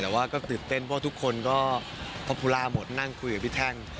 แต่ว่าก็ตื่นเต้นเพราะทุกคนก็พอภูลาหมดนั่งคุยกับพี่แท่น